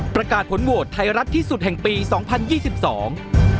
ประกาศผลโหวตไทยรัฐที่สุดแห่งปีสองพันยี่สิบสอง